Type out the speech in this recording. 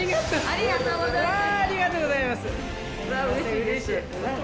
ありがとうございます。